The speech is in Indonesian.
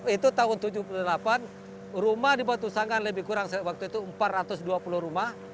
itu tahun seribu sembilan ratus tujuh puluh delapan rumah di batu sanggar lebih kurang waktu itu empat ratus dua puluh rumah